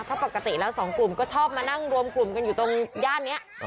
เพราะปกติแล้วสองกลุ่มก็ชอบมานั่งรวมกลุ่มกันอยู่ตรงย่านนี้